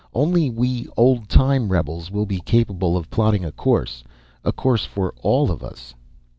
Only we old time rebels will be capable of plotting a course. A course for all of us."